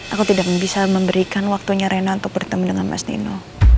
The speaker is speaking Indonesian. aku tidak bisa memberikan waktunya rena untuk bertemu dengan mas dino